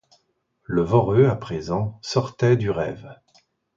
Le Voreux, à présent, sortait du rêve.